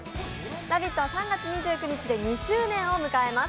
「ラヴィット！」は３月２９日で２周年を迎えます。